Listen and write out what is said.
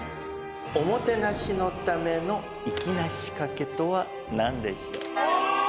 おもてなしのための粋な仕掛けとは何でしょう。